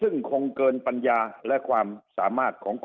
ซึ่งคงเกินปัญญาและความสามารถของ